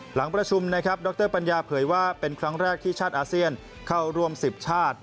หลังประชุมนะครับดรปัญญาเผยว่าเป็นครั้งแรกที่ชาติอาเซียนเข้าร่วม๑๐ชาติ